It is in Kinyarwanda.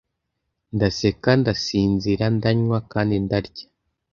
ndaseka ndasinzira ndanywa kandi ndarya